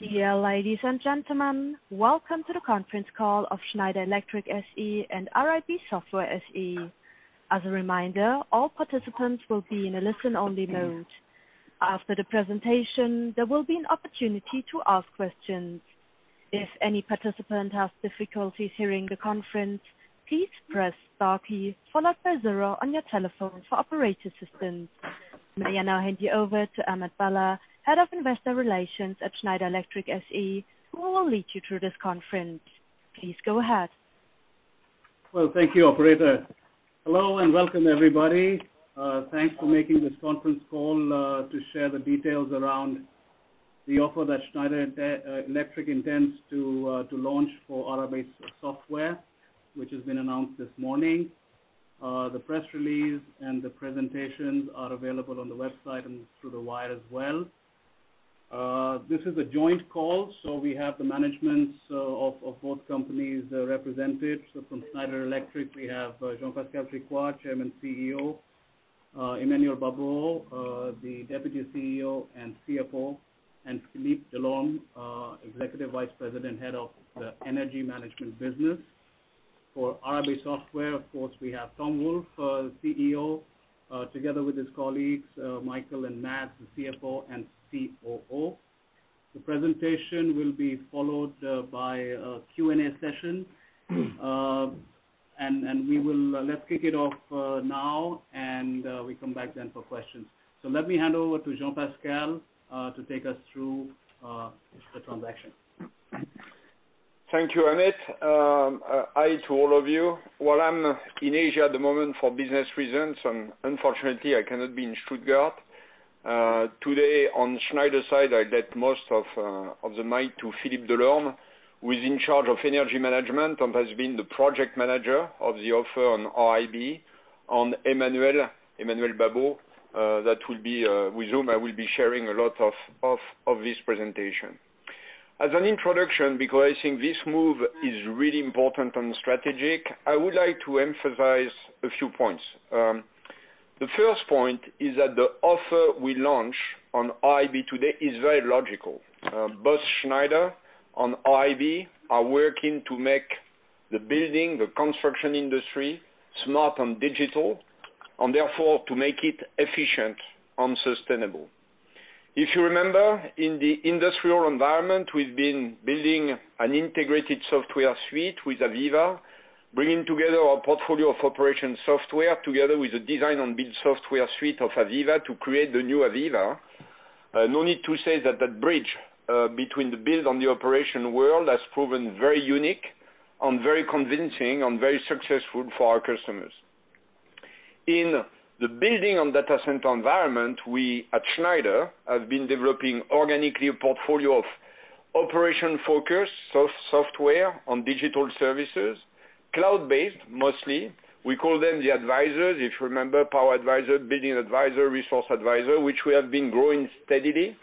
Dear ladies and gentlemen, welcome to the conference call of Schneider Electric SE and RIB Software SE. As a reminder, all participants will be in a listen-only mode. After the presentation, there will be an opportunity to ask questions. If any participant has difficulties hearing the conference, please press star key followed by zero on your telephone for operator assistance. May I now hand you over to Amit Bhalla, Head of Investor Relations at Schneider Electric SE, who will lead you through this conference. Please go ahead. Well, thank you, operator. Hello, welcome everybody. Thanks for making this conference call to share the details around the offer that Schneider Electric intends to launch for RIB Software, which has been announced this morning. The press release and the presentations are available on the website and through the wire as well. This is a joint call. We have the managements of both companies represented. From Schneider Electric, we have Jean-Pascal Tricoire, Chairman, CEO, Emmanuel Babeau, the Deputy CEO and CFO, and Philippe Delorme, Executive Vice President, Head of the Energy Management Business. For RIB Software, of course, we have Tom Wolf, CEO, together with his colleagues, Michael and Mads, the CFO and COO. The presentation will be followed by a Q&A session. Let's kick it off now. We come back then for questions. Let me hand over to Jean-Pascal to take us through the transaction. Thank you, Amit. Hi to all of you. Well, I'm in Asia at the moment for business reasons, unfortunately, I cannot be in Stuttgart. Today on Schneider side, I let most of the mic to Philippe Delorme, who is in charge of Energy Management and has been the project manager of the offer on RIB, and Emmanuel Babeau, that we assume I will be sharing a lot of this presentation. As an introduction, because I think this move is really important and strategic, I would like to emphasize a few points. The first point is that the offer we launch on RIB today is very logical. Both Schneider and RIB are working to make the building, the construction industry, smart and digital, therefore, to make it efficient and sustainable. If you remember, in the industrial environment, we've been building an integrated software suite with AVEVA, bringing together our portfolio of operation software together with the design and build software suite of AVEVA to create the new AVEVA. No need to say that that bridge between the build and the operation world has proven very unique and very convincing and very successful for our customers. In the building and data center environment, we at Schneider have been developing organically a portfolio of operation-focused software on digital services, cloud-based mostly. We call them the advisors. If you remember, Power Advisor, Building Advisor, Resource Advisor, which we have been growing steadily.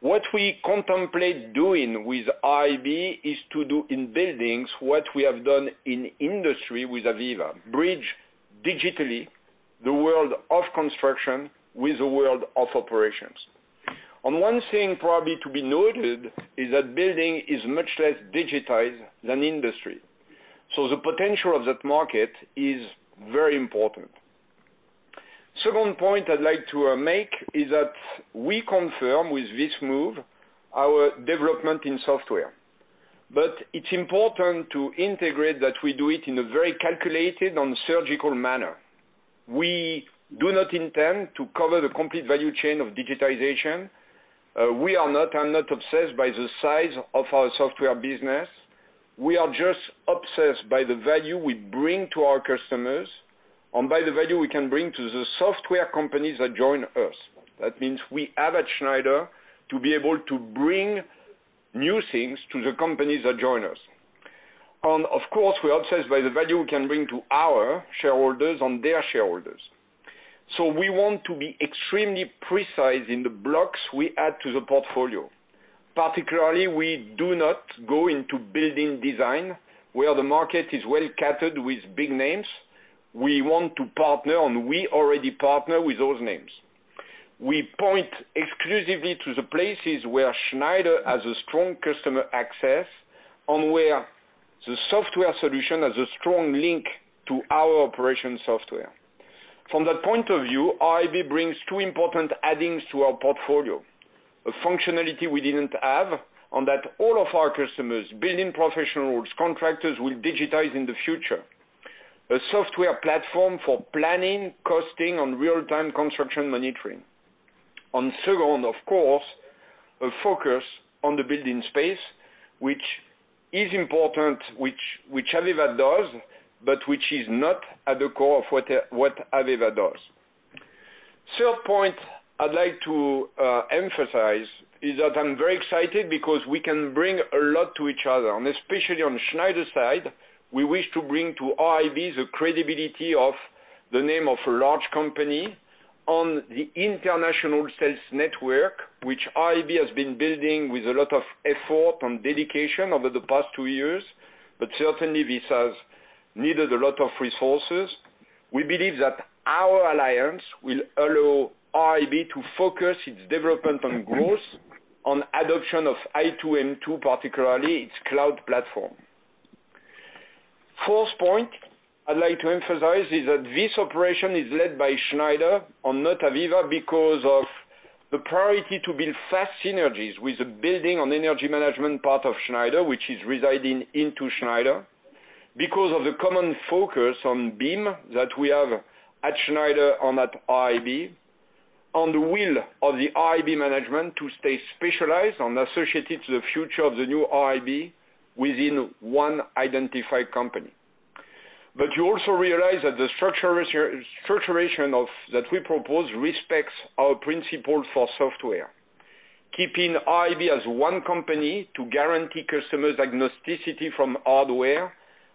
What we contemplate doing with RIB is to do in buildings what we have done in industry with AVEVA, bridge digitally the world of construction with the world of operations. One thing probably to be noted is that building is much less digitized than industry. The potential of that market is very important. Second point I'd like to make is that we confirm with this move our development in software. It's important to integrate that we do it in a very calculated and surgical manner. We do not intend to cover the complete value chain of digitization. We are not obsessed by the size of our software business. We are just obsessed by the value we bring to our customers and by the value we can bring to the software companies that join us. That means we add at Schneider to be able to bring new things to the companies that join us. Of course, we are obsessed by the value we can bring to our shareholders and their shareholders. We want to be extremely precise in the blocks we add to the portfolio. Particularly, we do not go into building design, where the market is well catered with big names. We want to partner, and we already partner with those names. We point exclusively to the places where Schneider has a strong customer access, and where the software solution has a strong link to our operation software. From that point of view, RIB brings two important addings to our portfolio. A functionality we didn't have, and that all of our customers, building professionals, contractors, will digitize in the future. A software platform for planning, costing, and real-time construction monitoring. Second, of course, a focus on the building space, which is important, which AVEVA does, but which is not at the core of what AVEVA does. Third point I'd like to emphasize is that I'm very excited because we can bring a lot to each other, and especially on Schneider side, we wish to bring to RIB the credibility of the name of a large company on the international sales network, which RIB has been building with a lot of effort and dedication over the past two years, but certainly this has needed a lot of resources. We believe that our alliance will allow RIB to focus its development and growth on adoption of iTWO, MTWO, particularly its cloud platform. Fourth point I'd like to emphasize is that this operation is led by Schneider and not AVEVA because of the priority to build fast synergies with the Building and Energy Management part of Schneider, which is residing into Schneider, because of the common focus on BIM that we have at Schneider and at RIB, on the will of the RIB management to stay specialized and associated to the future of the new RIB within one identified company. You also realize that the structuration that we propose respects our principle for software, keeping RIB as one company to guarantee customers agnosticity from hardware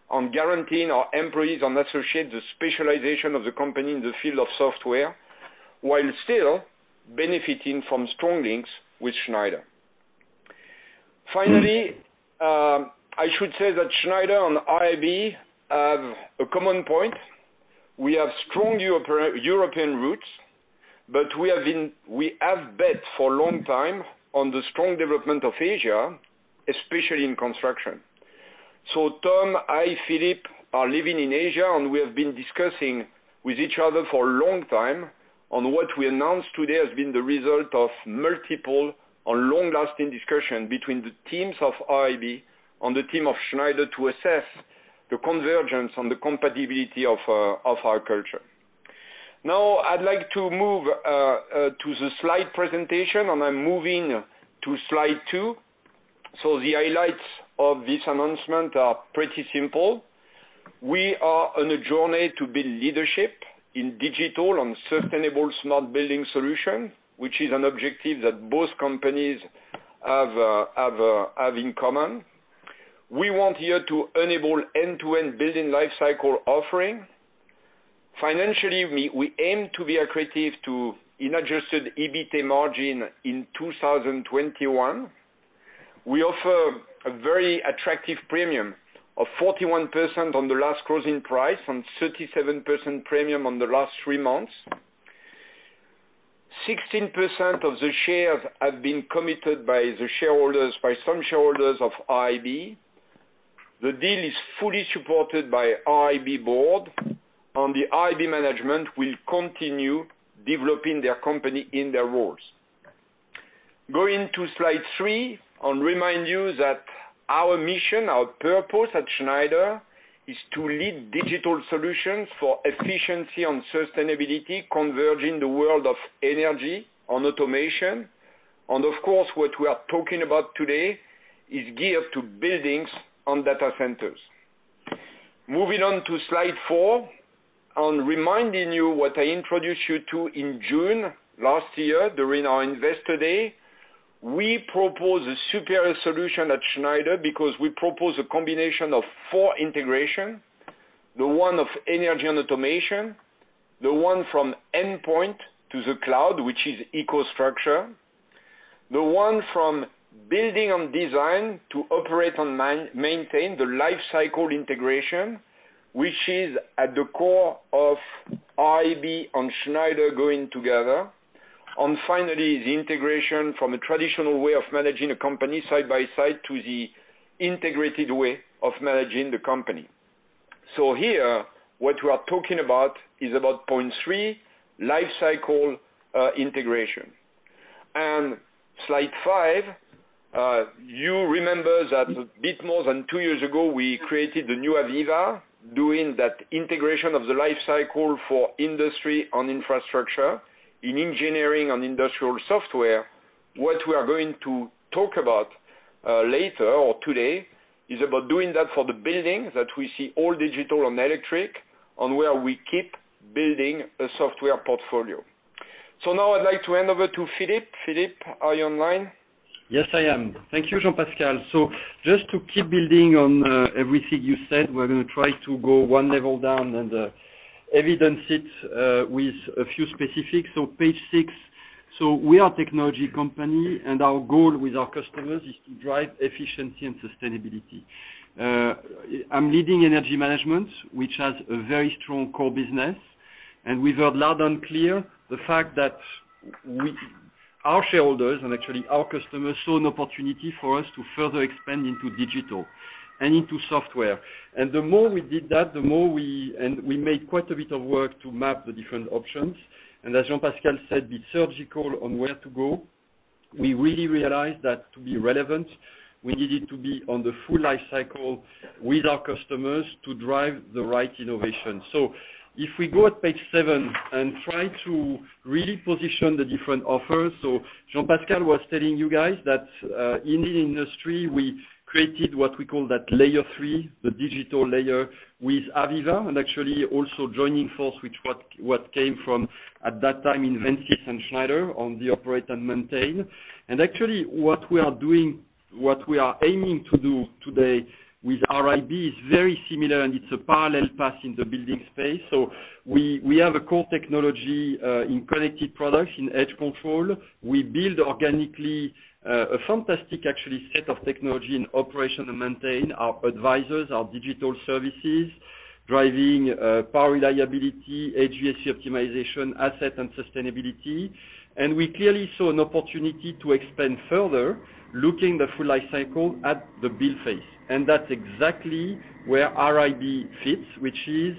on guaranteeing our employees and associates the specialization of the company in the field of software, while still benefiting from strong links with Schneider. Finally, I should say that Schneider and RIB have a common point. We have strong European roots, but we have bet for a long time on the strong development of Asia, especially in construction. Tom, I, Philippe, are living in Asia, and we have been discussing with each other for a long time on what we announced today has been the result of multiple and long-lasting discussion between the teams of RIB and the team of Schneider to assess the convergence and the compatibility of our culture. I'd like to move to the slide presentation, and I'm moving to slide two. The highlights of this announcement are pretty simple. We are on a journey to build leadership in digital and sustainable smart building solution, which is an objective that both companies have in common. We want here to enable end-to-end building life cycle offering. Financially, we aim to be accretive to an Adjusted EBITA margin in 2021. We offer a very attractive premium of 41% on the last closing price and 37% premium on the last three months. 16% of the shares have been committed by some shareholders of RIB. The deal is fully supported by RIB board. The RIB management will continue developing their company in their roles. Going to slide three, remind you that our mission, our purpose at Schneider, is to lead digital solutions for efficiency and sustainability, converging the world of energy and automation. Of course, what we are talking about today is geared to buildings and data centers. Moving on to slide four, I'm reminding you what I introduced you to in June last year during our Investor Day. We propose a superior solution at Schneider because we propose a combination of four integration, the one of energy and automation, the one from endpoint to the cloud, which is EcoStruxure, the one from building and design to operate and maintain the life cycle integration, which is at the core of RIB and Schneider going together. Finally, the integration from a traditional way of managing a company side by side to the integrated way of managing the company. Here, what we are talking about is about point three, life cycle integration. Slide five, you remember that a bit more than two years ago, we created the new AVEVA, doing that integration of the life cycle for industry and infrastructure in engineering and industrial software. What we are going to talk about later or today is about doing that for the building that we see all digital and electric, and where we keep building a software portfolio. Now I'd like to hand over to Philippe. Philippe, are you online? Yes, I am. Thank you, Jean-Pascal. Just to keep building on everything you said, we're going to try to go one level down and evidence it with a few specifics. Page six. We are a technology company, and our goal with our customers is to drive efficiency and sustainability. I'm leading Energy Management, which has a very strong core business. We've had loud and clear the fact that our shareholders and actually our customers saw an opportunity for us to further expand into digital and into software. The more we did that, and we made quite a bit of work to map the different options, and as Jean-Pascal said, be surgical on where to go. We really realized that to be relevant, we needed to be on the full life cycle with our customers to drive the right innovation. If we go at page seven and try to really position the different offers. Jean-Pascal was telling you guys that in the industry, we created what we call that layer three, the digital layer, with AVEVA, and actually also joining force with what came from, at that time, Invensys and Schneider on the operate and maintain. Actually, what we are aiming to do today with RIB is very similar, and it's a parallel path in the building space. We have a core technology in connected products, in edge control. We build organically a fantastic actually set of technology in operation and maintain, our advisors, our digital services. Driving power reliability, edge VSC optimization, asset and sustainability. We clearly saw an opportunity to expand further, looking the full life cycle at the build phase. That's exactly where RIB fits, which is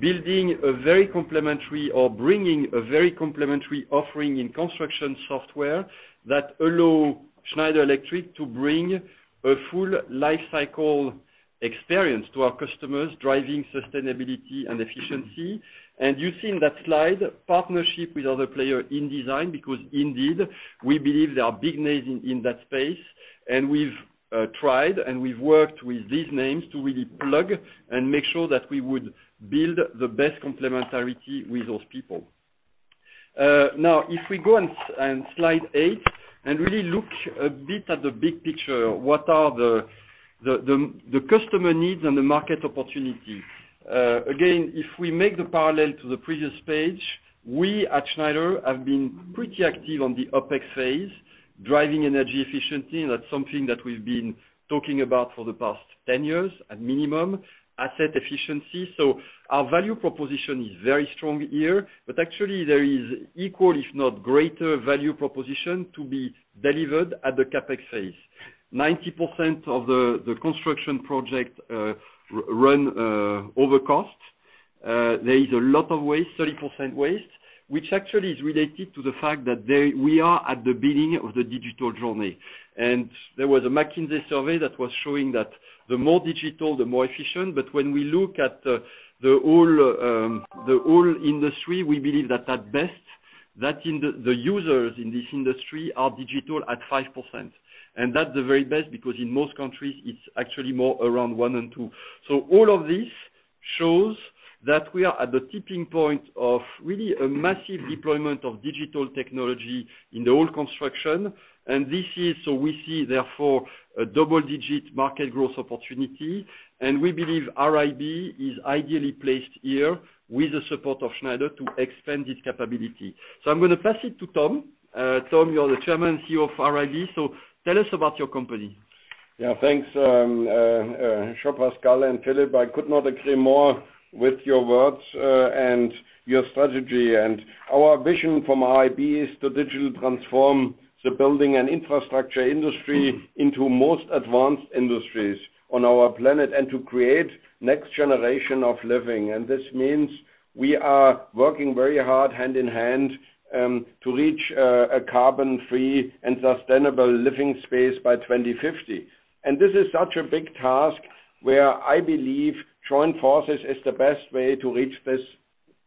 building a very complementary or bringing a very complementary offering in construction software that allow Schneider Electric to bring a full life cycle experience to our customers, driving sustainability and efficiency. You see in that slide, partnership with other player in design, because indeed, we believe there are big names in that space, and we've tried, and we've worked with these names to really plug and make sure that we would build the best complementarity with those people. If we go on slide eight and really look a bit at the big picture, what are the customer needs and the market opportunity? Again, if we make the parallel to the previous page, we at Schneider have been pretty active on the OpEx phase, driving energy efficiency. That's something that we've been talking about for the past 10 years at minimum. Asset efficiency. Our value proposition is very strong here, but actually there is equal, if not greater value proposition to be delivered at the CapEx phase. 90% of the construction project run over cost. There is a lot of waste, 30% waste, which actually is related to the fact that we are at the beginning of the digital journey. There was a McKinsey survey that was showing that the more digital, the more efficient. When we look at the whole industry, we believe that at best, the users in this industry are digital at 5%. That's the very best, because in most countries, it's actually more around one and two. All of this shows that we are at the tipping point of really a massive deployment of digital technology in the whole construction. We see, therefore, a double-digit market growth opportunity. We believe RIB is ideally placed here with the support of Schneider to expand this capability. I'm going to pass it to Tom. Tom, you're the Chairman and CEO of RIB, tell us about your company. Yeah, thanks, Jean-Pascal and Philippe. I could not agree more with your words and your strategy. Our vision from RIB is to digitally transform the building and infrastructure industry into most advanced industries on our planet, and to create next generation of living. This means we are working very hard hand in hand, to reach a carbon-free and sustainable living space by 2050. This is such a big task, where I believe joint forces is the best way to reach this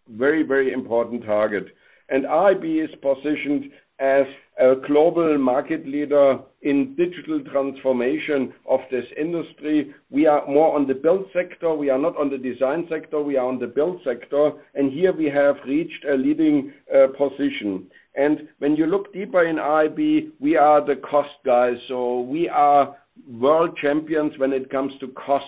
very important target. RIB is positioned as a global market leader in digital transformation of this industry. We are more on the build sector. We are not on the design sector. We are on the build sector, and here we have reached a leading position. When you look deeper in RIB, we are the cost guys, so we are world champions when it comes to cost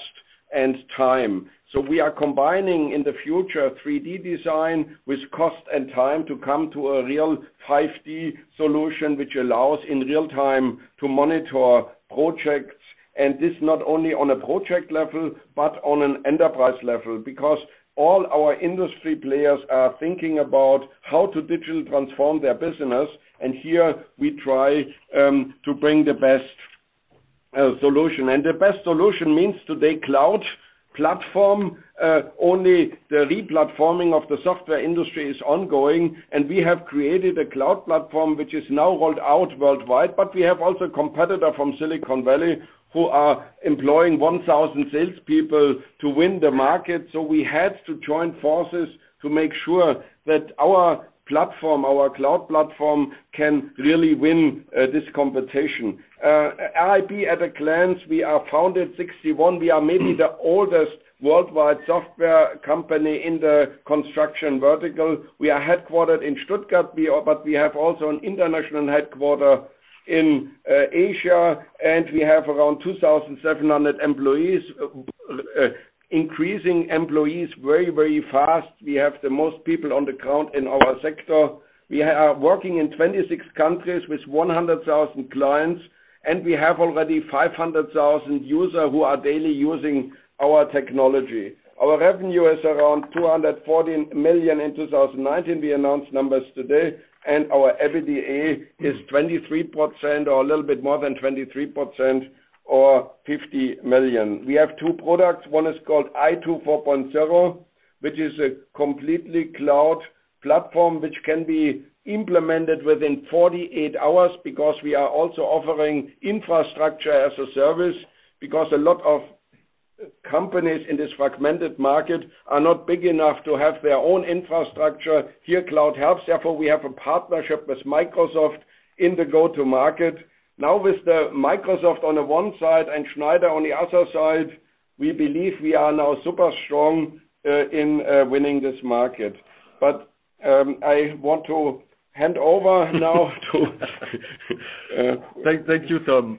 and time. We are combining, in the future, 3D design with cost and time to come to a real 5D solution, which allows in real time to monitor projects. This not only on a project level, but on an enterprise level, because all our industry players are thinking about how to digitally transform their business. Here we try to bring the best solution. The best solution means today, cloud platform. Only the re-platforming of the software industry is ongoing. We have created a cloud platform, which is now rolled out worldwide. We have also competitor from Silicon Valley who are employing 1,000 salespeople to win the market. We had to join forces to make sure that our platform, our cloud platform, can really win this competition. RIB at a glance, we are founded 61. We are maybe the oldest worldwide software company in the construction vertical. We are headquartered in Stuttgart, we have also an international headquarter in Asia, and we have around 2,700 employees, increasing employees very fast. We have the most people on the ground in our sector. We are working in 26 countries with 100,000 clients, we have already 500,000 user who are daily using our technology. Our revenue is around 240 million in 2019. We announced numbers today. Our EBITDA is 23%, or a little bit more than 23%, or 50 million. We have two products. One is called iTWO 4.0, which is a completely cloud platform, which can be implemented within 48 hours. We are also offering infrastructure as a service, because a lot of companies in this fragmented market are not big enough to have their own infrastructure. Here, cloud helps. We have a partnership with Microsoft in the go-to market. With the Microsoft on the one side and Schneider on the other side, we believe we are now super strong in winning this market. I want to hand over now to. Thank you, Tom.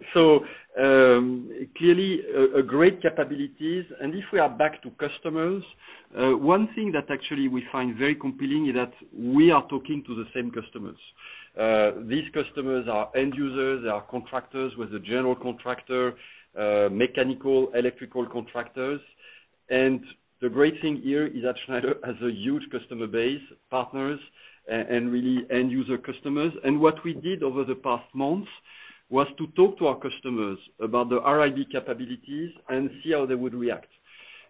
Clearly, great capabilities. If we are back to customers, one thing that actually we find very compelling is that we are talking to the same customers. These customers are end users, they are contractors with a general contractor, mechanical, electrical contractors. The great thing here is that Schneider has a huge customer base, partners, and really end user customers. What we did over the past months was to talk to our customers about the RIB capabilities and see how they would react.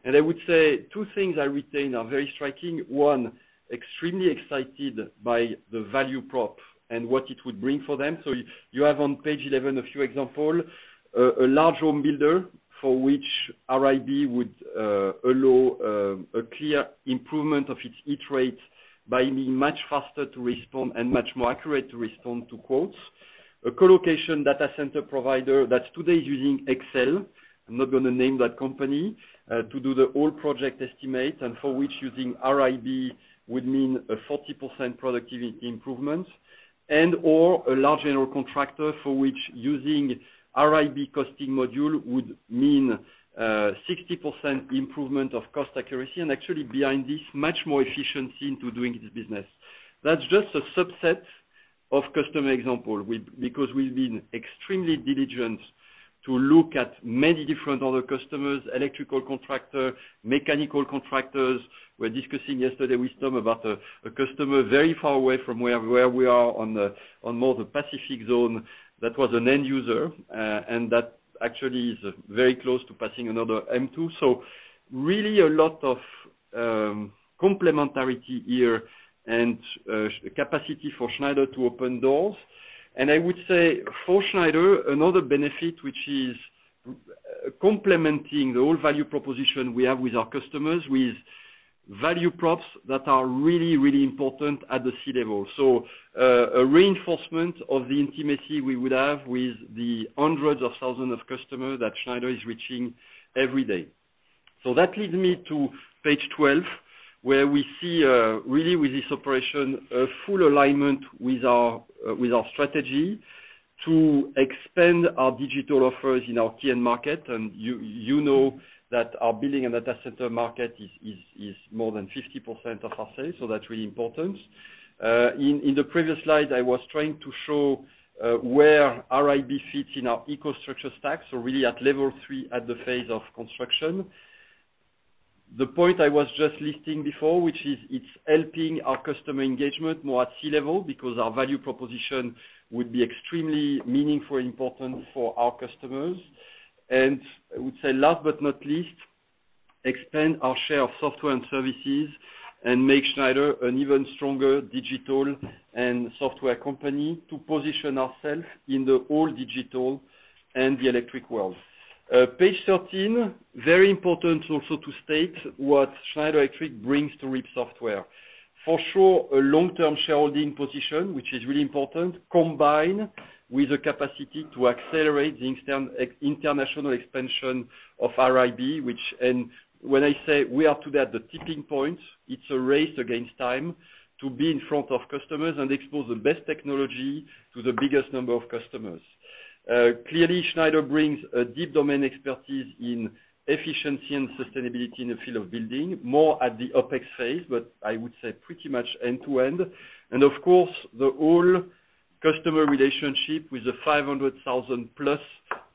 I would say two things I retain are very striking. One, extremely excited by the value prop and what it would bring for them. You have on page 11 a few example, a large home builder for which RIB would allow a clear improvement of its EBITA by being much faster to respond and much more accurate to respond to quotes. A co-location data center provider that today is using Excel, I'm not going to name that company, to do the whole project estimate and for which using RIB would mean a 40% productivity improvement, and/or a large general contractor for which using RIB costing module would mean a 60% improvement of cost accuracy, and actually behind this, much more efficiency into doing this business. That's just a subset of customer example, because we've been extremely diligent to look at many different other customers, electrical contractor, mechanical contractors. We're discussing yesterday with Tom about a customer very far away from where we are on more the Pacific zone. That was an end user, and that actually is very close to passing another MTWO. Really a lot of complementarity here and capacity for Schneider to open doors. I would say for Schneider, another benefit which is complementing the whole value proposition we have with our customers, with value props that are really, really important at the C-level. A reinforcement of the intimacy we would have with the hundreds of thousands of customers that Schneider is reaching every day. That leads me to page 12, where we see, really with this operation, a full alignment with our strategy to expand our digital offers in our key end market. You know that our building and data center market is more than 50% of our sales, so that's really important. In the previous slide, I was trying to show where RIB fits in our EcoStruxure stack, so really at level three at the phase of construction. The point I was just listing before, which is it's helping our customer engagement more at C-level, because our value proposition would be extremely meaningful and important for our customers. I would say last but not least, expand our share of software and services and make Schneider an even stronger digital and software company to position ourself in the whole digital and the electric world. Page 13, very important also to state what Schneider Electric brings to RIB Software. For sure, a long-term shareholding position, which is really important, combined with the capacity to accelerate the international expansion of RIB. When I say we are today at the tipping point, it's a race against time to be in front of customers and expose the best technology to the biggest number of customers. Clearly, Schneider brings a deep domain expertise in efficiency and sustainability in the field of building, more at the OpEx phase, but I would say pretty much end-to-end. Of course, the whole customer relationship with the 500,000+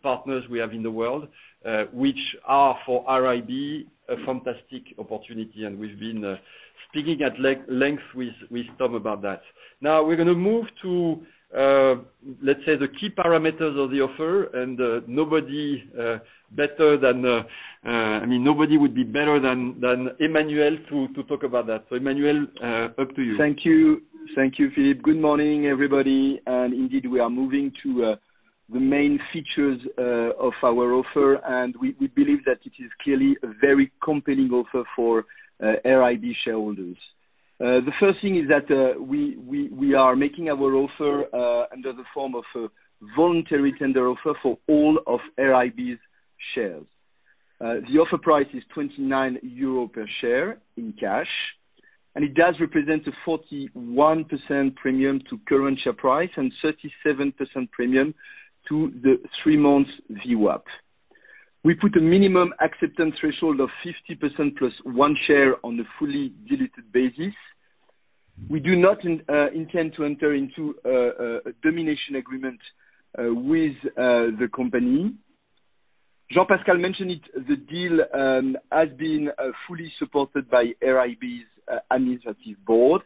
partners we have in the world, which are for RIB, a fantastic opportunity. We've been speaking at length with Tom about that. We're going to move to, let's say, the key parameters of the offer, and nobody would be better than Emmanuel to talk about that. Emmanuel, up to you. Thank you. Thank you, Philippe. Good morning, everybody. Indeed, we are moving to the main features of our offer, and we believe that it is clearly a very compelling offer for RIB shareholders. The first thing is that we are making our offer under the form of a voluntary tender offer for all of RIB's shares. The offer price is 29 euro per share in cash, it does represent a 41% premium to current share price and 37% premium to the three months VWAP. We put a minimum acceptance threshold of 50%+ one share on the fully diluted basis. We do not intend to enter into a domination agreement with the company. Jean-Pascal mentioned it, the deal has been fully supported by RIB's administrative board.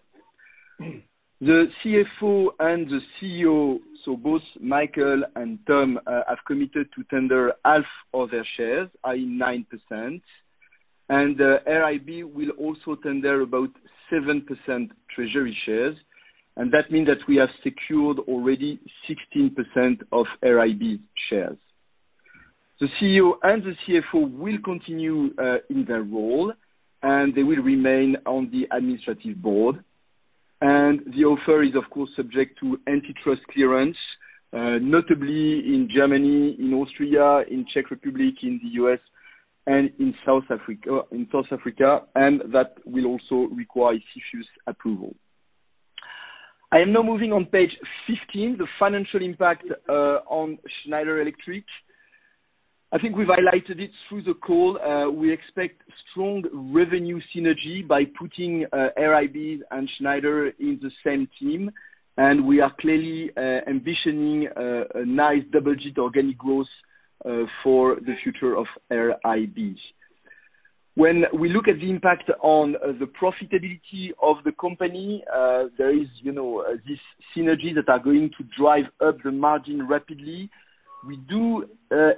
The CFO and the CEO, so both Michael and Tom, have committed to tender half of their shares, i.e., 9%. RIB will also tender about 7% treasury shares, and that means that we have secured already 16% of RIB shares. The CEO and the CFO will continue in their role, and they will remain on the administrative board. The offer is, of course, subject to antitrust clearance, notably in Germany, in Austria, in Czech Republic, in the U.S., and in South Africa. That will also require CFIUS approval. I am now moving on page 15, the financial impact on Schneider Electric. I think we've highlighted it through the call. We expect strong revenue synergy by putting RIB and Schneider in the same team, and we are clearly ambitioning a nice double-digit organic growth for the future of RIB. When we look at the impact on the profitability of the company, there is this synergy that are going to drive up the margin rapidly. We do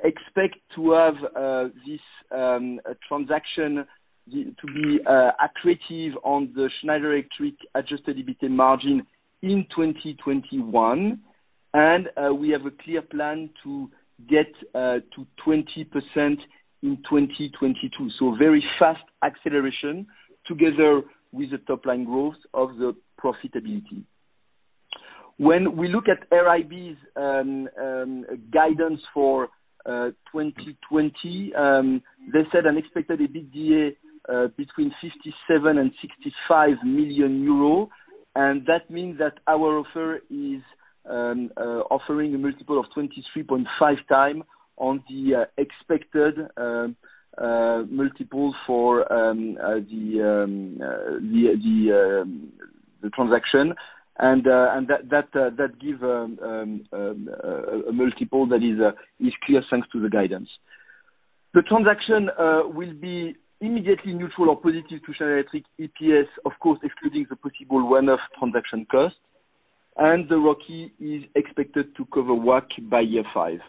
expect to have this transaction to be accretive on the Schneider Electric adjusted EBITA margin in 2021. We have a clear plan to get to 20% in 2022, so very fast acceleration together with the top-line growth of the profitability. When we look at RIB's guidance for 2020, they said unexpected EBITDA between 57 million and 65 million euro. That means that our offer is offering a multiple of 23.5x on the expected multiple for the transaction. That give a multiple that is clear, thanks to the guidance. The transaction will be immediately neutral or positive to Schneider Electric EPS, of course, excluding the possible one-off transaction cost, and the ROCE is expected to cover WACC by year five.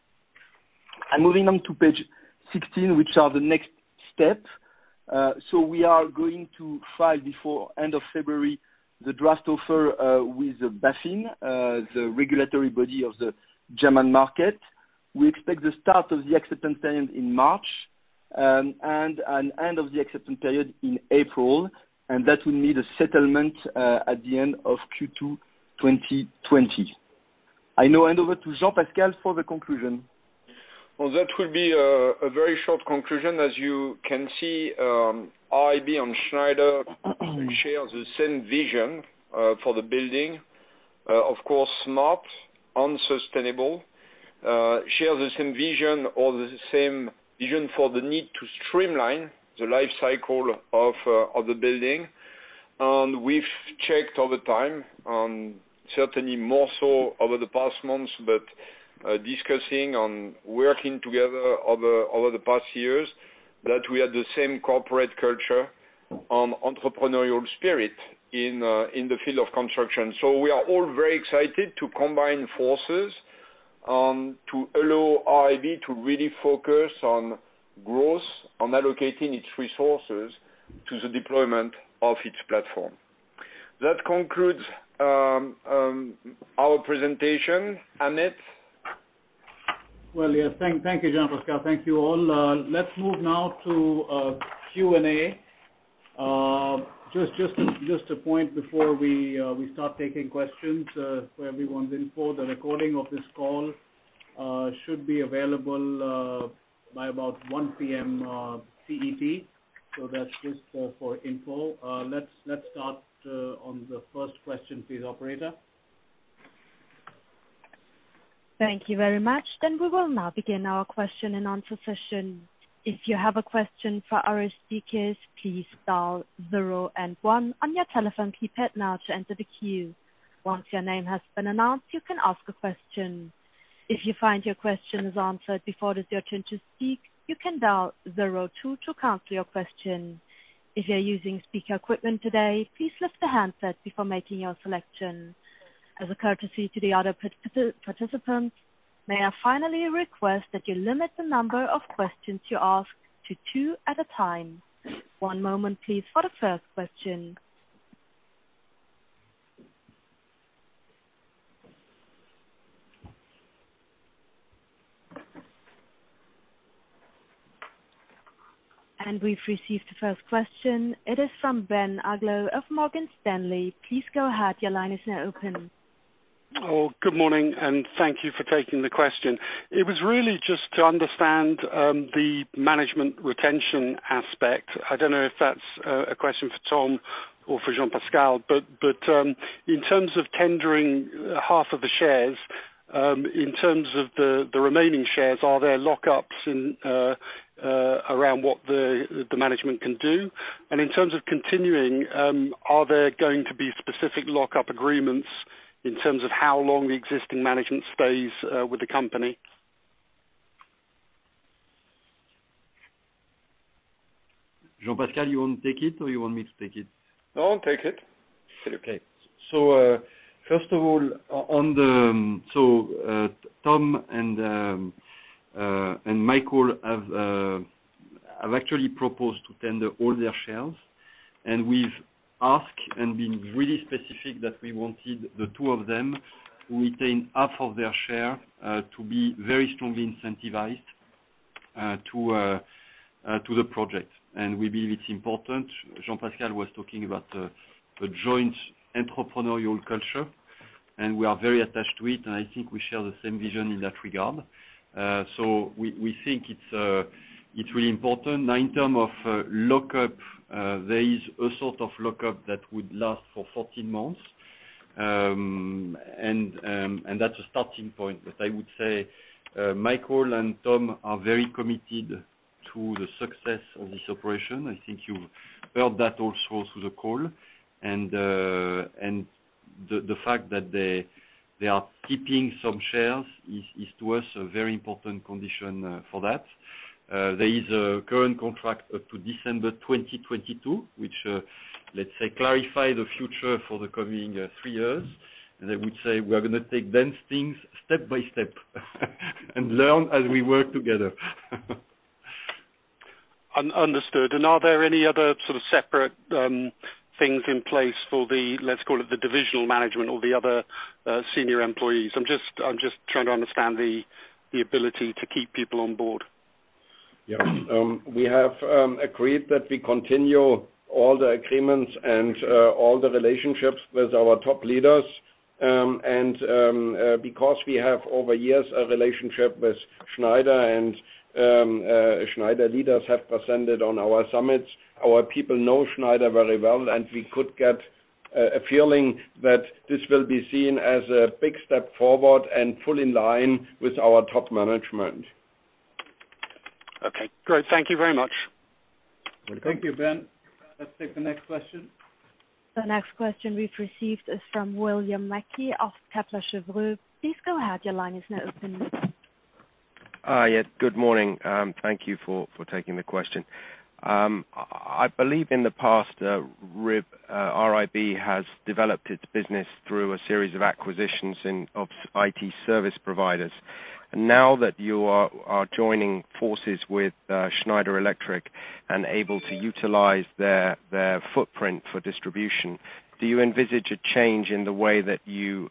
Moving on to page 16, which are the next step. We are going to file before end of February the draft offer with the BaFin, the regulatory body of the German market. We expect the start of the acceptance period in March, and an end of the acceptance period in April, and that will need a settlement at the end of Q2 2020. I now hand over to Jean-Pascal for the conclusion. Well, that will be a very short conclusion. As you can see, RIB and Schneider share the same vision for the building, of course, smart and sustainable, share the same vision for the need to streamline the life cycle of the building. We've checked over time, certainly more so over the past months, but discussing and working together over the past years, that we had the same corporate culture and entrepreneurial spirit in the field of construction. We are all very excited to combine forces to allow RIB to really focus on growth, on allocating its resources to the deployment of its platform. That concludes our presentation. Amit? Well, yes. Thank you, Jean-Pascal. Thank you, all. Let's move now to Q&A. Just a point before we start taking questions. For everyone's info, the recording of this call should be available by about 1:00 P.M. CET. That's just for info. Let's start on the first question, please, operator. Thank you very much. We will now begin our question and answer session. If you have a question for our speakers, please dial zero and one on your telephone keypad now to enter the queue. Once your name has been announced, you can ask a question. If you find your question is answered before it is your turn to speak, you can dial zero two to cancel your question. If you're using speaker equipment today, please lift the handset before making your selection. As a courtesy to the other participants, may I finally request that you limit the number of questions you ask to two at a time. One moment please for the first question. We've received the first question. It is from Ben Uglow of Morgan Stanley. Please go ahead. Your line is now open. Good morning, thank you for taking the question. It was really just to understand the management retention aspect. I don't know if that's a question for Tom or for Jean-Pascal, in terms of tendering half of the shares, in terms of the remaining shares, are there lockups around what the management can do? In terms of continuing, are there going to be specific lockup agreements in terms of how long the existing management stays with the company? Jean-Pascal, you want to take it or you want me to take it? No, Take it. First of all, Tom Wolf and Michael have actually proposed to tender all their shares. We've asked and been really specific that we wanted the two of them retain half of their share to be very strongly incentivized to the project. We believe it's important. Jean-Pascal Tricoire was talking about a joint entrepreneurial culture, we are very attached to it, I think we share the same vision in that regard. We think it's really important. In terms of lockup, there is a sort of lockup that would last for 14 months That's a starting point. I would say Michael and Tom are very committed to the success of this operation. I think you've heard that also through the call. The fact that they are keeping some shares is to us a very important condition for that. There is a current contract up to December 2022, which, let's say, clarify the future for the coming three years. I would say we are going to take things step by step and learn as we work together. Understood. Are there any other sort of separate things in place for the, let's call it the divisional management or the other senior employees? I'm just trying to understand the ability to keep people on board. Yeah. We have agreed that we continue all the agreements and all the relationships with our top leaders. Because we have over years a relationship with Schneider and Schneider leaders have presented on our summits, our people know Schneider very well, and we could get a feeling that this will be seen as a big step forward and fully in line with our top management. Okay, great. Thank you very much. Thank you, Ben. Let's take the next question. The next question we've received is from William Mackie of Kepler Cheuvreux. Please go ahead. Your line is now open. Yes. Good morning. Thank you for taking the question. I believe in the past, RIB has developed its business through a series of acquisitions of IT service providers. Now that you are joining forces with Schneider Electric and able to utilize their footprint for distribution, do you envisage a change in the way that you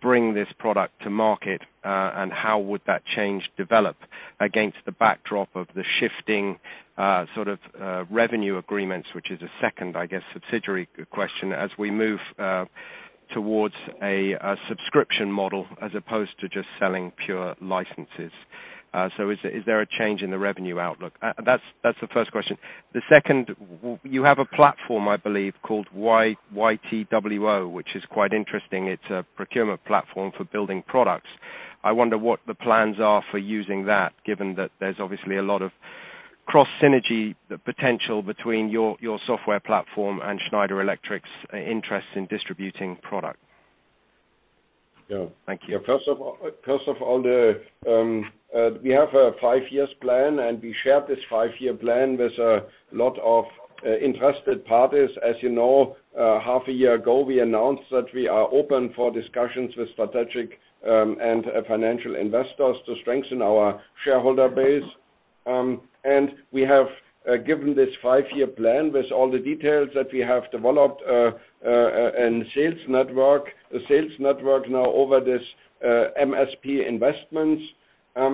bring this product to market? How would that change develop against the backdrop of the shifting sort of revenue agreements, which is a second, I guess, subsidiary question as we move towards a subscription model as opposed to just selling pure licenses. Is there a change in the revenue outlook? That's the first question. The second, you have a platform, I believe, called YTWO, which is quite interesting. It's a procurement platform for building products. I wonder what the plans are for using that, given that there's obviously a lot of cross-synergy potential between your software platform and Schneider Electric's interest in distributing product. Yeah. Thank you. First of all, we have a five-year plan. We shared this five-year plan with a lot of interested parties. As you know, half a year ago, we announced that we are open for discussions with strategic and financial investors to strengthen our shareholder base. We have given this five-year plan with all the details that we have developed, and sales network now over this M&A investments. Now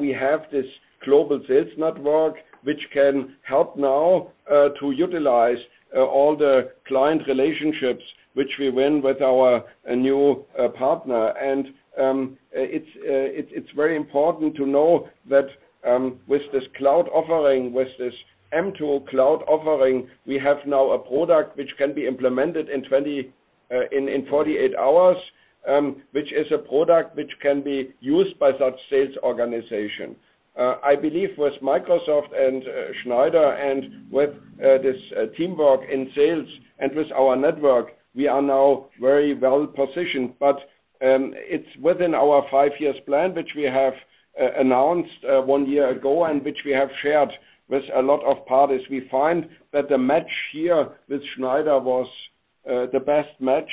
we have this global sales network, which can help now to utilize all the client relationships which we win with our new partner. It's very important to know that with this MTWO cloud offering we have now a product which can be implemented in 48 hours, which is a product which can be used by such sales organization. I believe with Microsoft and Schneider and with this teamwork in sales and with our network, we are now very well positioned. It's within our five years plan, which we have announced one year ago and which we have shared with a lot of parties. We find that the match here with Schneider was the best match.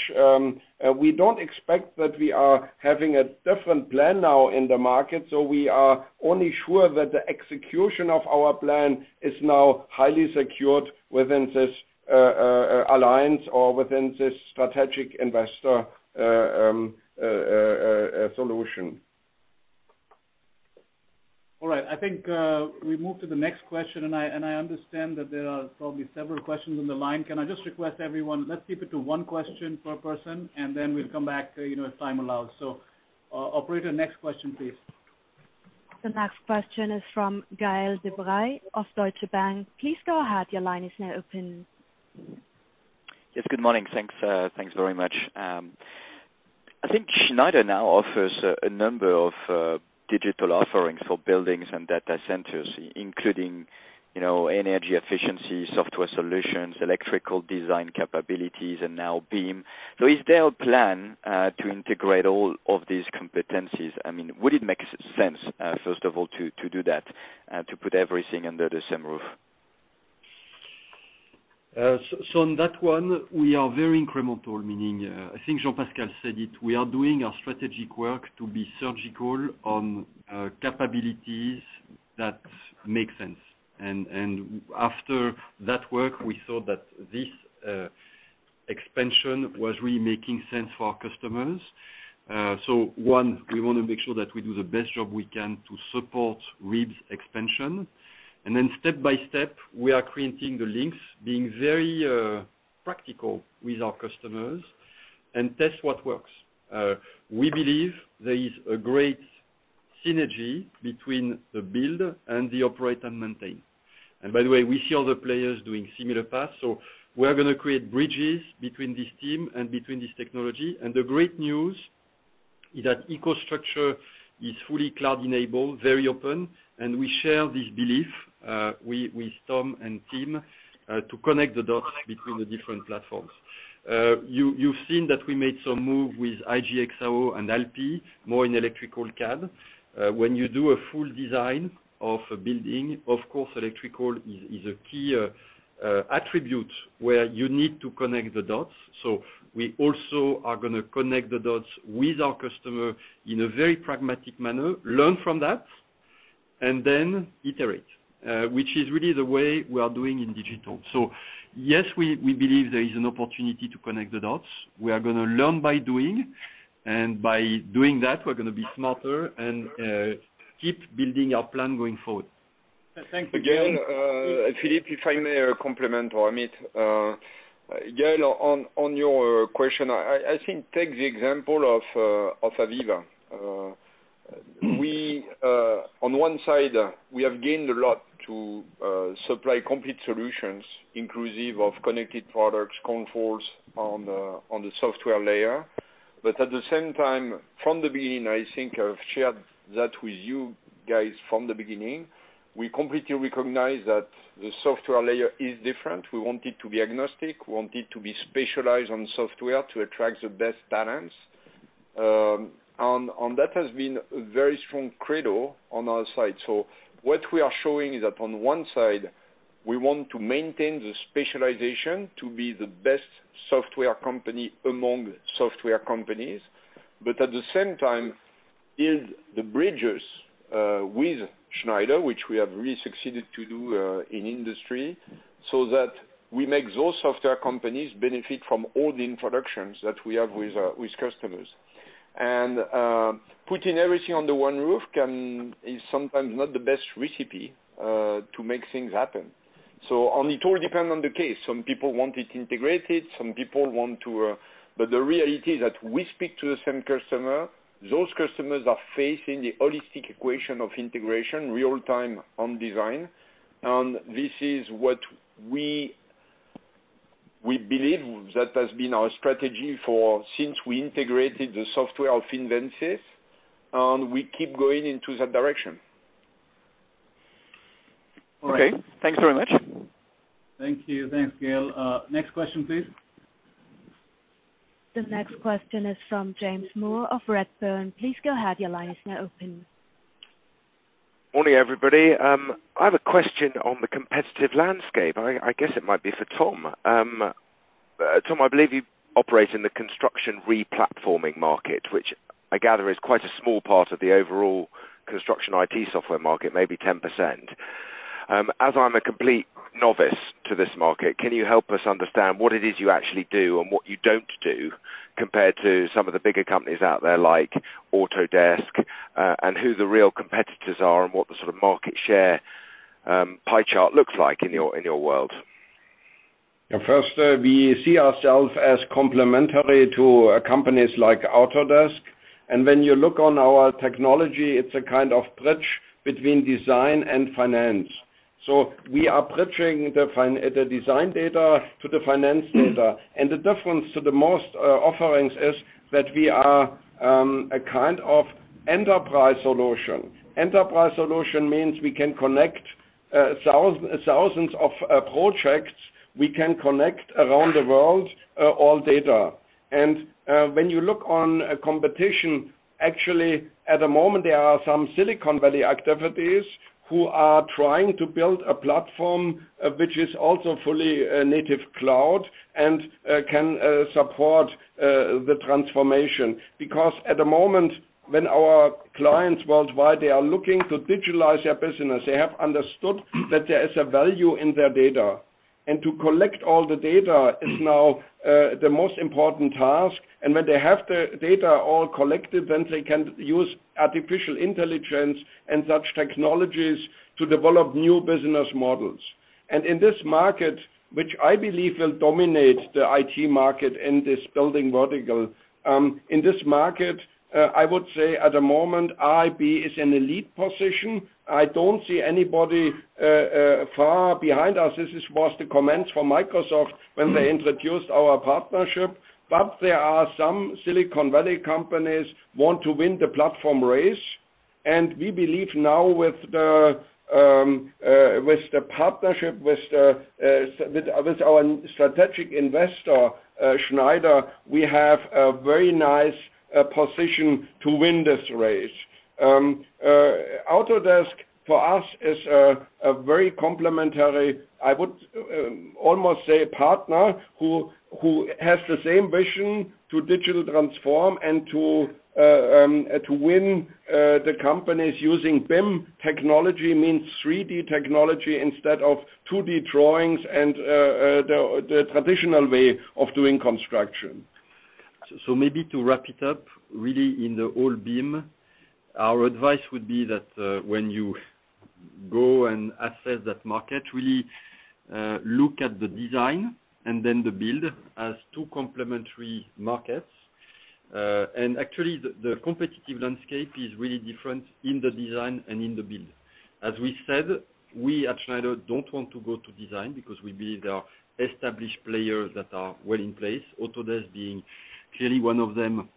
We don't expect that we are having a different plan now in the market, so we are only sure that the execution of our plan is now highly secured within this alliance or within this strategic investor solution. All right. I think I move to the next question. I understand that there are probably several questions in the line. Can I just request everyone? Let's keep it to one question per person. We'll come back as time allows. Operator, next question, please. The next question is from Gaël de Bray of Deutsche Bank. Please go ahead. Your line is now open. Yes. Good morning. Thanks very much. I think Schneider now offers a number of digital offerings for buildings and data centers, including energy efficiency, software solutions, electrical design capabilities, and now BIM. Is there a plan to integrate all of these competencies? Would it make sense, first of all, to do that to put everything under the same roof? On that one, we are very incremental, meaning I think Jean-Pascal said it, we are doing our strategic work to be surgical on capabilities that make sense. After that work, we saw that this expansion was really making sense for our customers. One, we want to make sure that we do the best job we can to support RIB's expansion. Then step by step, we are creating the links, being very practical with our customers and test what works. We believe there is a great synergy between the build and the operate and maintain. By the way, we see other players doing similar paths. We are going to create bridges between this team and between this technology. The great news is that EcoStruxure is fully cloud-enabled, very open, and we share this belief, with Tom and team, to connect the dots between the different platforms. You've seen that we made some move with IGE+XAO and ALPI, more in electrical CAD. When you do a full design of a building, of course, electrical is a key attribute where you need to connect the dots. We also are going to connect the dots with our customer in a very pragmatic manner, learn from that, and then iterate, which is really the way we are doing in digital. Yes, we believe there is an opportunity to connect the dots. We are going to learn by doing, and by doing that, we're going to be smarter and keep building our plan going forward. Thanks, Gaël. Philippe, if I may compliment Amit. Gaël, on your question, I think take the example of AVEVA. On one side, we have gained a lot to supply complete solutions, inclusive of connected products, controls on the software layer. At the same time, from the beginning, I think I've shared that with you guys from the beginning, we completely recognize that the software layer is different. We want it to be agnostic. We want it to be specialized on software to attract the best talents. That has been a very strong credo on our side. What we are showing is that on one side, we want to maintain the specialization to be the best software company among software companies. At the same time, build the bridges with Schneider, which we have really succeeded to do in industry, so that we make those software companies benefit from all the introductions that we have with customers. Putting everything under one roof is sometimes not the best recipe to make things happen. It all depends on the case. Some people want it integrated. The reality is that we speak to the same customer. Those customers are facing the holistic equation of integration real-time on design. This is what we believe that has been our strategy since we integrated the software of Invensys, and we keep going into that direction. All right. Okay. Thanks very much. Thank you. Thanks, Gaël. Next question, please. The next question is from James Moore of Redburn. Please go ahead. Your line is now open. Morning, everybody. I have a question on the competitive landscape. I guess it might be for Tom. Tom, I believe you operate in the construction re-platforming market, which I gather is quite a small part of the overall construction IT software market, maybe 10%. As I'm a complete novice to this market, can you help us understand what it is you actually do and what you don't do compared to some of the bigger companies out there, like Autodesk, and who the real competitors are and what the sort of market share pie chart looks like in your world? We see ourselves as complementary to companies like Autodesk. When you look on our technology, it's a kind of bridge between design and finance. We are bridging the design data to the finance data. The difference to the most offerings is that we are a kind of enterprise solution. Enterprise solution means we can connect thousands of projects. We can connect around the world, all data. When you look on competition, actually, at the moment, there are some Silicon Valley activities who are trying to build a platform which is also fully native cloud and can support the transformation. At the moment, when our clients worldwide, they are looking to digitalize their business, they have understood that there is a value in their data. To collect all the data is now the most important task. When they have the data all collected, then they can use artificial intelligence and such technologies to develop new business models. In this market, which I believe will dominate the IT market in this building vertical. In this market, I would say at the moment, iTWO is in a lead position. I don't see anybody far behind us. This was the comments from Microsoft when they introduced our partnership. There are some Silicon Valley companies want to win the platform race. We believe now with the partnership with our strategic investor, Schneider, we have a very nice position to win this race. Autodesk, for us, is a very complementary, I would almost say partner, who has the same vision to digital transform and to win the companies using BIM technology, means 3D technology instead of 2D drawings and the traditional way of doing construction. Maybe to wrap it up, really in the whole BIM, our advice would be that when you go and assess that market, really look at the design and then the build as two complementary markets. Actually, the competitive landscape is really different in the design and in the build. As we said, we at Schneider don't want to go to design because we believe there are established players that are well in place, Autodesk being clearly one of them,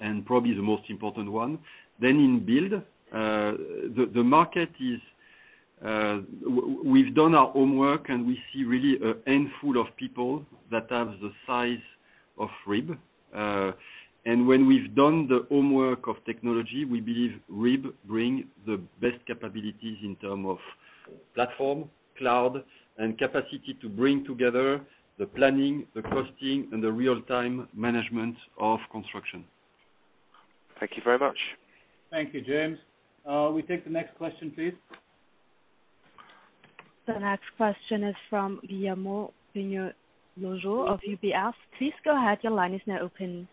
and probably the most important one. In build, we've done our homework, and we see really a handful of people that have the size of RIB. When we've done the homework of technology, we believe RIB brings the best capabilities in term of platform, cloud, and capacity to bring together the planning, the costing, and the real-time management of construction. Thank you very much. Thank you, James. We take the next question, please. The next question is from Guillermo Bonilla Lojo of UBS. Please go ahead. Your line is now open.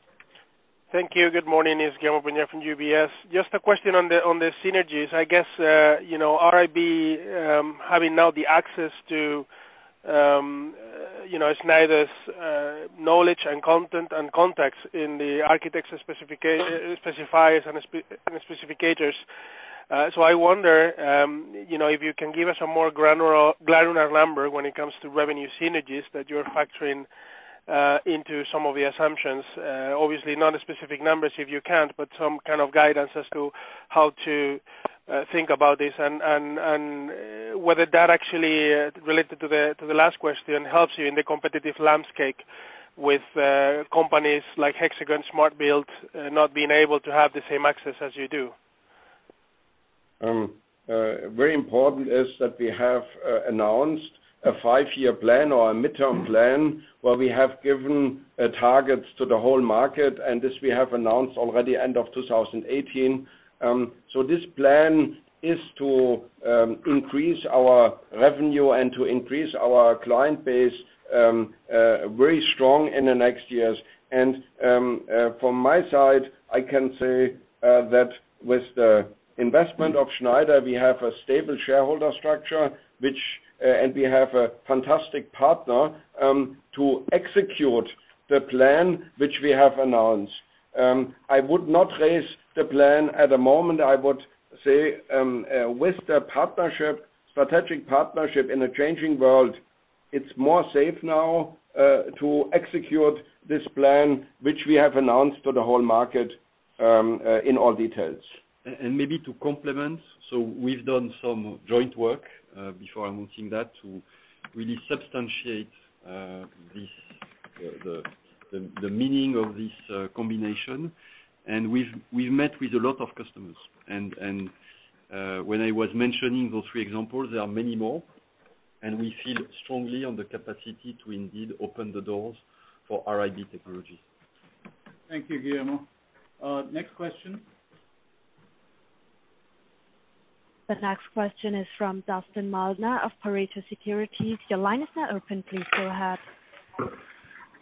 Thank you. Good morning. It's Guillermo Bonilla from UBS. Just a question on the synergies. I guess, RIB having now the access to Schneider's knowledge and content and context in the architects and specifiers. I wonder if you can give us a more granular number when it comes to revenue synergies that you're factoring into some of the assumptions. Obviously not specific numbers if you can't, but some kind of guidance as to how to think about this and whether that actually, related to the last question, helps you in the competitive landscape with companies like Hexagon Smart Build not being able to have the same access as you do. Very important is that we have announced a five-year plan or a midterm plan where we have given targets to the whole market, and this we have announced already end of 2018. This plan is to increase our revenue and to increase our client base very strong in the next years. From my side, I can say that with the investment of Schneider, we have a stable shareholder structure, and we have a fantastic partner to execute the plan which we have announced. I would not raise the plan at the moment. I would say with the strategic partnership in a changing world, it's more safe now to execute this plan, which we have announced to the whole market in all details. Maybe to complement. We've done some joint work, before announcing that, to really substantiate the meaning of this combination. We've met with a lot of customers. When I was mentioning those three examples, there are many more, and we feel strongly on the capacity to indeed open the doors for RIB technologies. Thank you, Guillermo. Next question. The next question is from Dustin Muldner of Pareto Securities. Your line is now open. Please go ahead.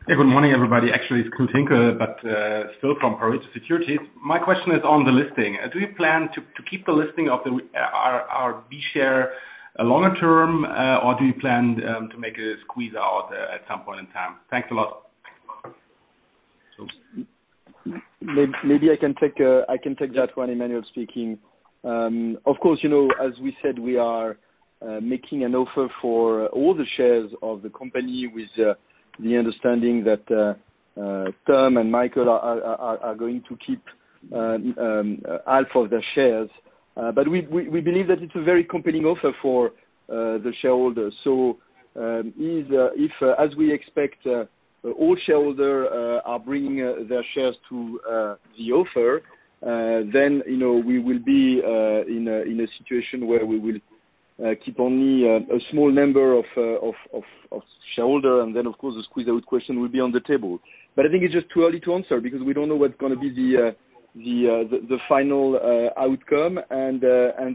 Hey, good morning, everybody. Actually, it's Clint Tuel, but still from Pareto Securities. My question is on the listing. Do you plan to keep the listing of RIB share longer term, or do you plan to make a squeeze out at some point in time? Thanks a lot. Maybe I can take that one. Emmanuel speaking. As we said, we are making an offer for all the shares of the company with the understanding that Tom and Michael are going to keep half of their shares. We believe that it's a very compelling offer for the shareholders. If, as we expect, all shareholders are bringing their shares to the offer, then we will be in a situation where we will keep only a small number of shareholders, and then, of course, the squeeze-out question will be on the table. I think it's just too early to answer because we don't know what's going to be the final outcome.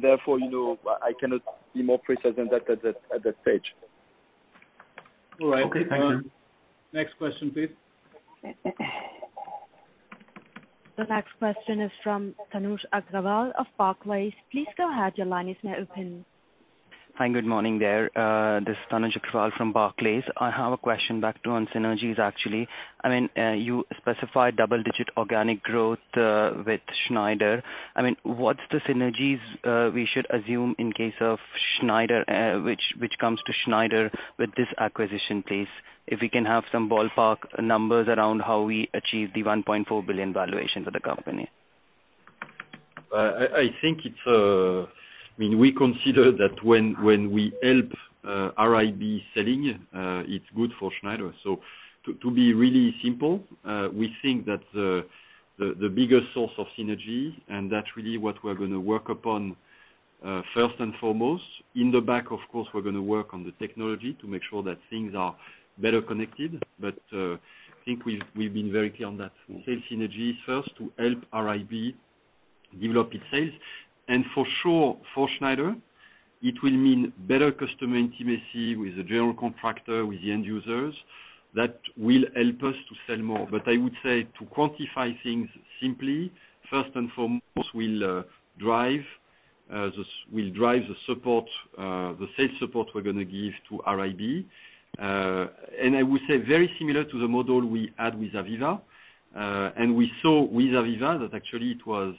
Therefore, I cannot be more precise than that at this stage. All right. Thank you. Next question, please. The next question is from Tanuj Agarwal of Barclays. Please go ahead. Your line is now open. Hi, good morning there. This is Tanuj Agarwal from Barclays. I have a question back to on synergies, actually. You specified double-digit organic growth with Schneider. What's the synergies we should assume which comes to Schneider with this acquisition please? If we can have some ballpark numbers around how we achieve the 1.4 billion valuation for the company. We consider that when we help RIB selling, it's good for Schneider. To be really simple, we think that the biggest source of synergy, and that's really what we're going to work upon first and foremost. In the back, of course, we're going to work on the technology to make sure that things are better connected. I think we've been very clear on that. Sales synergy first to help RIB develop its sales. For sure, for Schneider, it will mean better customer intimacy with the general contractor, with the end users. That will help us to sell more. I would say to quantify things simply, first and foremost, we'll drive the sales support we're going to give to RIB. I would say very similar to the model we had with AVEVA. We saw with AVEVA that actually it was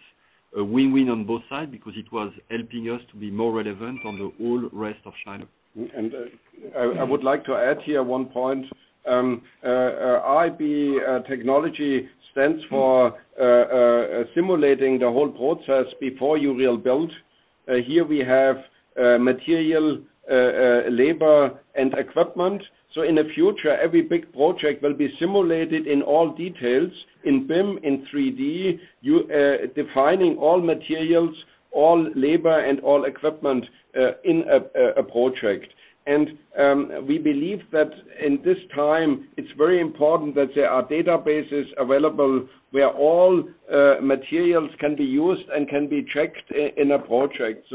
a win-win on both sides because it was helping us to be more relevant on the whole rest of China. I would like to add here one point. RIB technology stands for simulating the whole process before you will build. Here we have material, labor and equipment. In the future, every big project will be simulated in all details, in BIM, in 3D, defining all materials, all labor and all equipment in a project. We believe that in this time it's very important that there are databases available where all materials can be used and can be tracked in a project.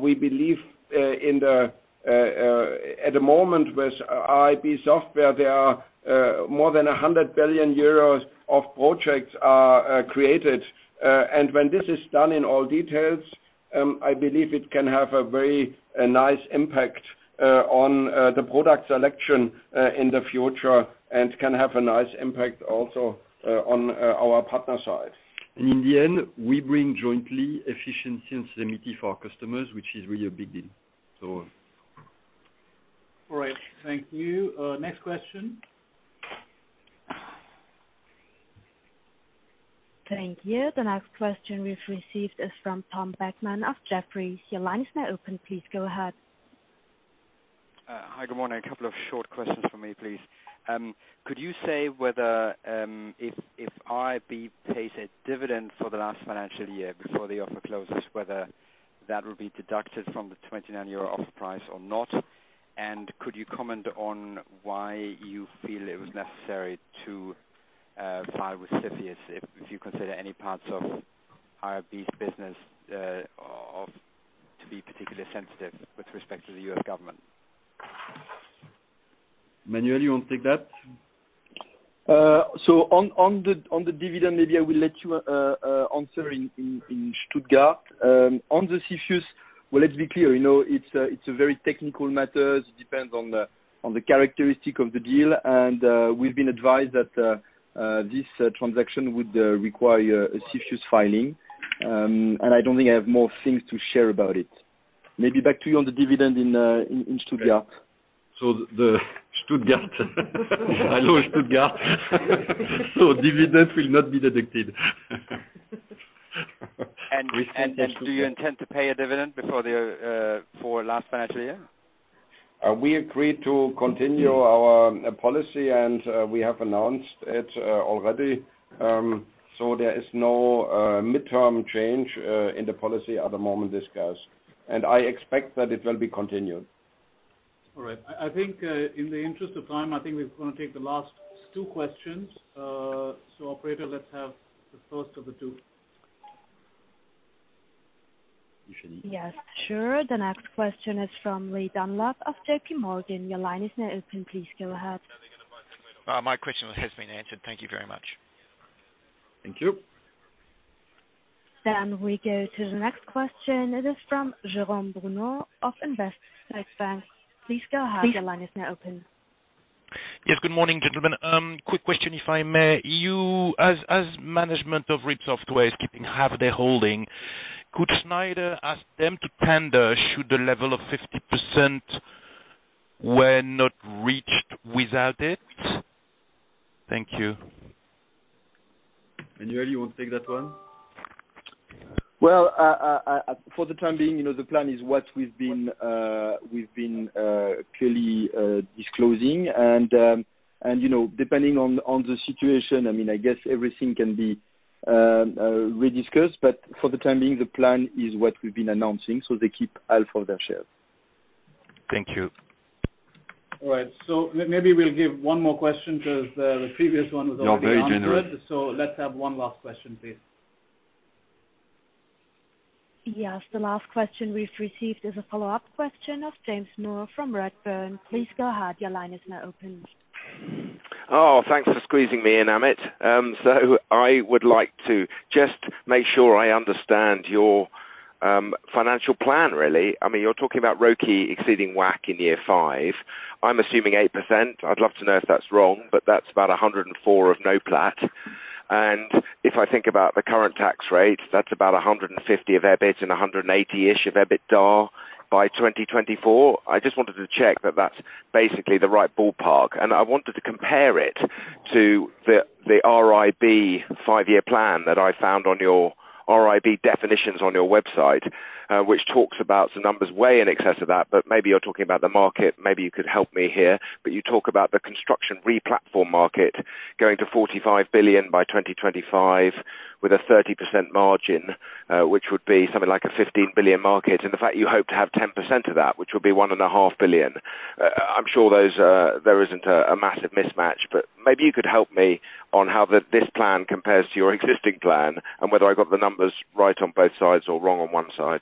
We believe at the moment with RIB Software, there are more than 100 billion euros of projects are created. When this is done in all details, I believe it can have a very nice impact on the product selection in the future and can have a nice impact also on our partner side. In the end, we bring jointly efficiency and sanity for our customers, which is really a big deal. All right. Thank you. Next question. Thank you. The next question we've received is from Tom Beckmann of Jefferies. Your line is now open. Please go ahead. Hi, good morning. A couple of short questions from me, please. Could you say whether, if RIB pays a dividend for the last financial year before the offer closes, whether that would be deducted from the 29 euro offer price or not? Could you comment on why you feel it was necessary to file with CFIUS if you consider any parts of RIB's business to be particularly sensitive with respect to the U.S. government? Emmanuel, you want to take that? On the dividend, maybe I will let you answer in Stuttgart. On the CFIUS, well, let's be clear. It's a very technical matter. It depends on the characteristic of the deal, and we've been advised that this transaction would require a CFIUS filing. I don't think I have more things to share about it. Maybe back to you on the dividend in Stuttgart. The Stuttgart. Hello, Stuttgart. Dividend will not be deducted. Do you intend to pay a dividend before last financial year? We agreed to continue our policy, and we have announced it already. There is no midterm change in the policy at the moment discussed, and I expect that it will be continued. All right. I think in the interest of time, I think we're going to take the last two questions. Operator, let's have the first of the two. Yes, sure. The next question is from Li Dunlop of JPMorgan. Your line is now open. Please go ahead. My question has been answered. Thank you very much. Thank you. We go to the next question. It is from Jérôme Bruno of Invest Bank. Please go ahead. Your line is now open. Yes. Good morning, gentlemen. Quick question if I may. You as management of RIB Software is keeping half their holding. Could Schneider ask them to tender should the level of 50% were not reached without it? Thank you. Emmanuel, you want to take that one? Well, for the time being, the plan is what we've been clearly disclosing and depending on the situation, I guess everything can be rediscussed. For the time being, the plan is what we've been announcing. They keep half of their shares. Thank you. All right. Maybe we'll give one more question because the previous one was already answered. You are very generous. Let's have one last question, please. Yes. The last question we've received is a follow-up question of James Moore from Redburn. Please go ahead. Your line is now open. Thanks for squeezing me in, Amit. I would like to just make sure I understand your financial plan really. You're talking about ROCE exceeding WACC in year five. I'm assuming 8%. I'd love to know if that's wrong, that's about 104 of NOPLAT. If I think about the current tax rate, that's about 150 of EBIT and 180-ish of EBITDA by 2024. I just wanted to check that that's basically the right ballpark. I wanted to compare it to the RIB five-year plan that I found on your RIB definitions on your website, which talks about the numbers way in excess of that. Maybe you're talking about the market. Maybe you could help me here, you talk about the construction replatform market going to 45 billion by 2025 with a 30% margin, which would be something like a 15 billion market. The fact you hope to have 10% of that, which will be 1.5 billion. I'm sure there isn't a massive mismatch, but maybe you could help me on how this plan compares to your existing plan and whether I got the numbers right on both sides or wrong on one side.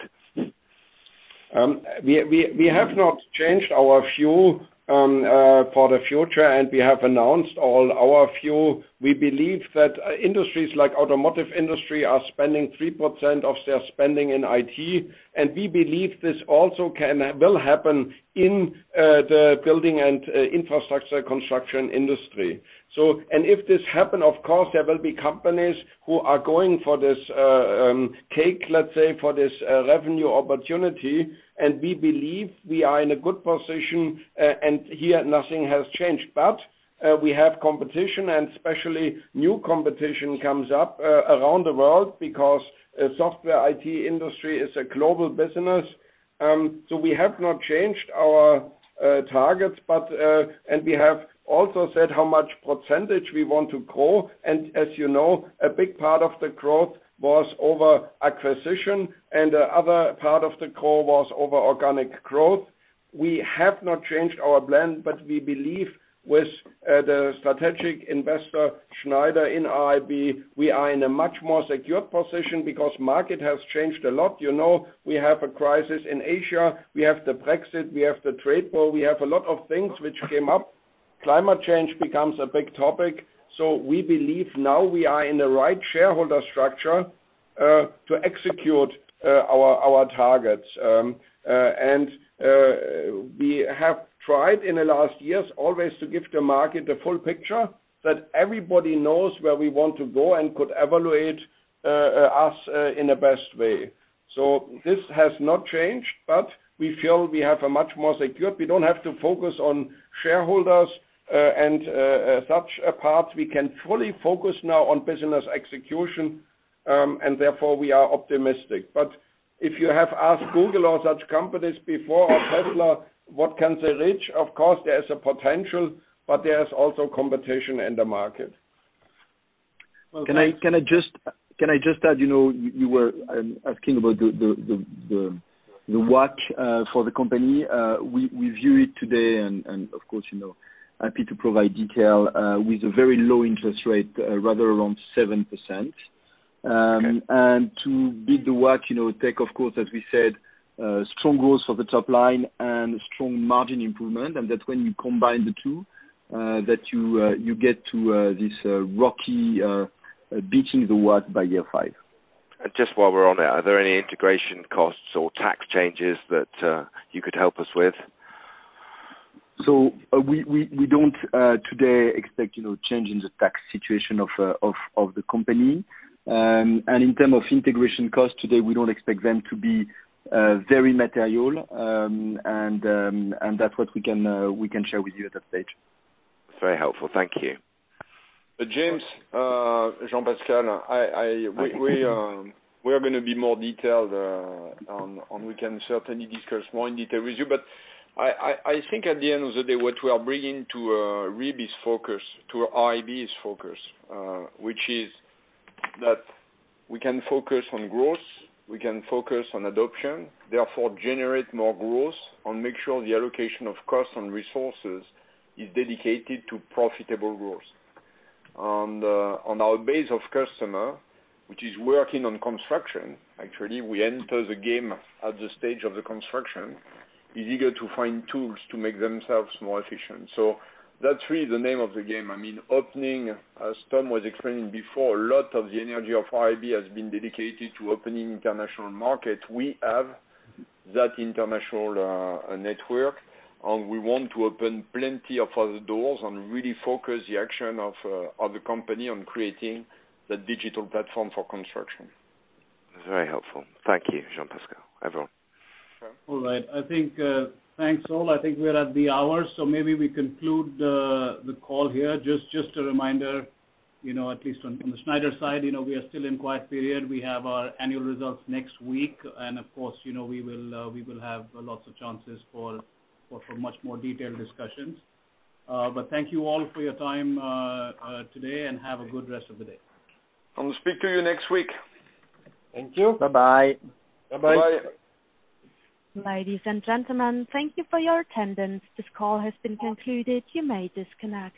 We have not changed our view for the future, and we have announced all our view. We believe that industries like automotive industry are spending 3% of their spending in IT, and we believe this also will happen in the building and infrastructure construction industry. If this happen, of course, there will be companies who are going for this cake, let's say, for this revenue opportunity, and we believe we are in a good position, and here nothing has changed. We have competition, and especially new competition comes up around the world because software IT industry is a global business. We have not changed our targets, and we have also said how much percentage we want to grow. As you know, a big part of the growth was over acquisition, and the other part of the growth was over organic growth. We have not changed our plan. We believe with the strategic investor, Schneider, in RIB, we are in a much more secure position because market has changed a lot. You know, we have a crisis in Asia. We have the Brexit. We have the trade war. We have a lot of things which came up. Climate change becomes a big topic. We believe now we are in the right shareholder structure to execute our targets. We have tried in the last years always to give the market the full picture, that everybody knows where we want to go and could evaluate us in the best way. This has not changed. We feel we have a much more secure. We don't have to focus on shareholders and such a part. We can fully focus now on business execution. Therefore we are optimistic. If you have asked Google or such companies before or Tesla, what can they reach? Of course, there's a potential, but there's also competition in the market. Can I just add, you were asking about the WACC for the company. We view it today and, of course, happy to provide detail with a very low interest rate, rather around 7%. To beat the WACC, take, of course, as we said, strong growth for the top line and strong margin improvement. That when you combine the two, that you get to this ROCE beating the WACC by year five. Just while we're on it, are there any integration costs or tax changes that you could help us with? We don't today expect change in the tax situation of the company. In term of integration cost today, we don't expect them to be very material, and that's what we can share with you at that stage. Very helpful. Thank you. James Moore, Jean-Pascal Tricoire, we are going to be more detailed, and we can certainly discuss more in detail with you. I think at the end of the day, what we are bringing to RIB's focus which is that we can focus on growth, we can focus on adoption, therefore generate more growth, and make sure the allocation of cost and resources is dedicated to profitable growth. On our base of customer, which is working on construction, actually, we enter the game at the stage of the construction, is eager to find tools to make themselves more efficient. That's really the name of the game. Opening, as Tom Wolf was explaining before, a lot of the energy of RIB has been dedicated to opening international market. We have that international network, and we want to open plenty of other doors and really focus the action of the company on creating that digital platform for construction. Very helpful. Thank you, Jean-Pascal. Over. All right. Thanks, all. I think we are at the hour. Maybe we conclude the call here. Just a reminder, at least from the Schneider side, we are still in quiet period. We have our annual results next week. Of course, we will have lots of chances for much more detailed discussions. Thank you all for your time today, and have a good rest of the day. I will speak to you next week. Thank you. Bye-bye. Bye-bye. Bye. Ladies and gentlemen, thank you for your attendance. This call has been concluded. You may disconnect.